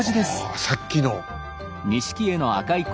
あさっきの。